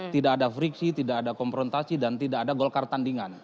tidak ada friksi tidak ada komprontasi dan tidak ada golkar tandingan